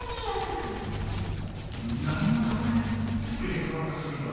何のために勉強なんかするんだ？